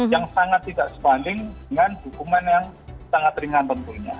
yang sangat tidak sebanding dengan dokumen yang sangat ringan tentunya